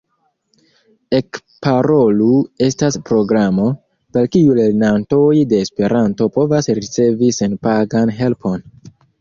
Ekparolu estas programo, per kiu lernantoj de Esperanto povas ricevi senpagan helpon.